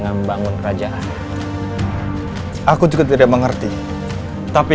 harus kami dapatkan konsep ber harbor